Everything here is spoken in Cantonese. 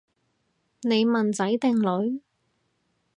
你問仔定女？